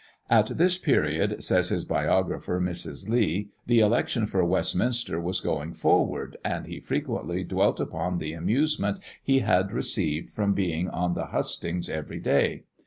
"At this period," says his biographer, Mrs. Lee, "the election for Westminster was going forward, and he frequently dwelt upon the amusement he had received from being on the hustings every day.